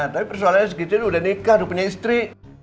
tapi persoalannya si kicit udah nikah udah punya istri